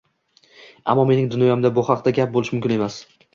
Ammo mening dunyoimda bu haqda gap bo`lishi mumkin emas